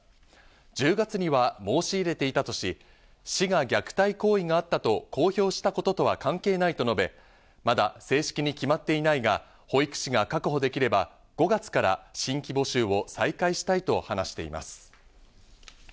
１０月には申し入れていたとし、市が、虐待行為があったと公表したこととは関係ないと述べ、まだ正式に決まっていないが、保育士が確保できれば５月から新規募集を再開したいと話しています。